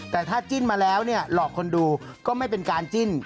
แต่ถ้าจิ้นมาแล้วเนี่ยหลอกคนดูก็ไม่เป็นการจิ้น